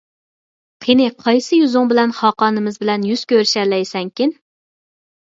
قېنى قايسى يۈزۈڭ بىلەن خاقانىمىز بىلەن يۈز كۆرۈشەلەيسەنكىن!